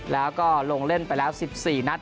แล้วก็ลงเล่นไปแล้ว๑๔นัด